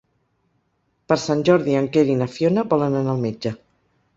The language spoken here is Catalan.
Per Sant Jordi en Quer i na Fiona volen anar al metge.